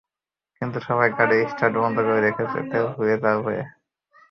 কিন্তু সবাই গাড়ির স্টার্ট বন্ধ করে রেখেছে তেল ফুরিয়ে যাওয়ার ভয়ে।